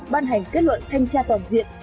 ban hành kết luận thanh tra toàn diện